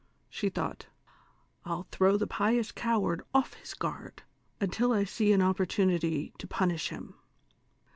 She thouglit :'' 1"11 throw the pious coward off his guard, until I see an opportunity to punish him."